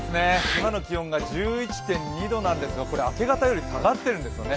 今の気温が１１．２度なんですが明け方より下がっているんですよね。